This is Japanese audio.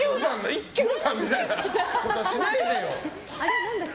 一休さんみたいなことしないでよ。